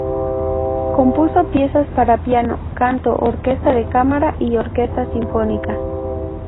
Compuso piezas para piano, canto, orquesta de cámara y orquesta sinfónica.